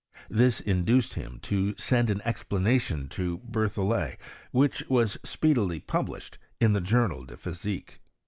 This induced him to send aa explanation to BerthoUet, which was speedily pub lished in the Journal de Physique.